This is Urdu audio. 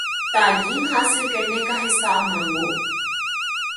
تعلیم حاصل کرنے کا حساب مانگو